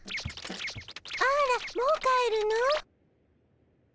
あらもう帰るの？